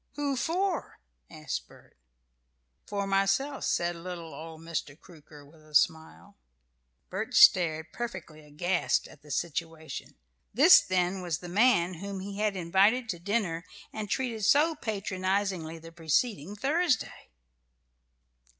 "Who for?" asked Bert. "For myself," said little old Mr. Crooker, with a smile. Bert stared, perfectly aghast at the situation. This, then, was the man whom he had invited to dinner, and treated so patronizingly the preceding Thursday!